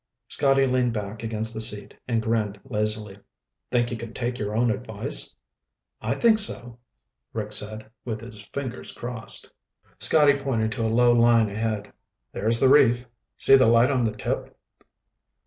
Scotty leaned back against the seat and grinned lazily. "Think you can take your own advice?" "I think so," Rick said, with his fingers crossed. Scotty pointed to a low line ahead. "There's the reef. See the light on the tip?"